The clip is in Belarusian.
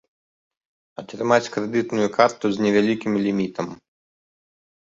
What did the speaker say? Атрымаць крэдытную карту з невялікім лімітам.